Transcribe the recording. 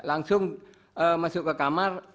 langsung masuk ke kamar